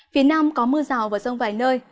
phía nam có mưa rào và rông vài nơi